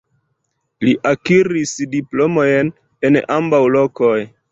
Li akiris diplomojn en ambaŭ lokoj.